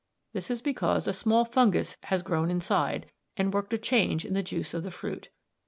This is because a small fungus has grown inside, and worked a change in the juice of the fruit.